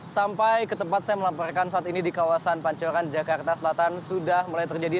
sampai ke tempat saya melaporkan saat ini di kawasan pancoran jakarta selatan sudah mulai terjadi